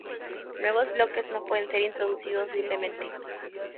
Nuevos bloques no pueden ser introducidos libremente.